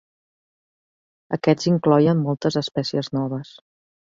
Aquests incloïen moltes espècies noves.